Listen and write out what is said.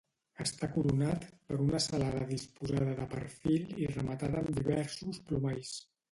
Està coronat per una celada disposada de perfil i rematada amb diversos plomalls.